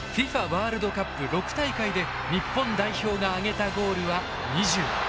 ＦＩＦＡワールドカップ６大会で日本代表が挙げたゴールは２０。